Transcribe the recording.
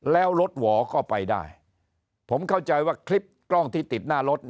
แล้วรถหวอก็ไปได้ผมเข้าใจว่าคลิปกล้องที่ติดหน้ารถ